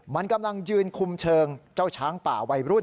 มันกำลังยืนคุมเชิงเจ้าช้างป่าวัยรุ่น